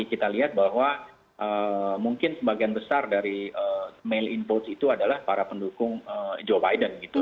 kita lihat bahwa mungkin sebagian besar dari mail in vote itu adalah para pendukung joe biden gitu